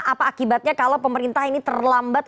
apa akibatnya kalau pemerintah ini terlambat